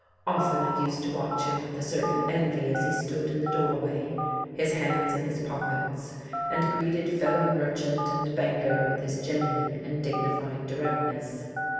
Often I used to watch him with a certain envy as he stood in the doorway, his hands in his pockets, and greeted fellow merchant and banker with his genuine and dignified directness.